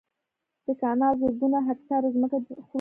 دا کانال زرګونه هکټاره ځمکه خړوبوي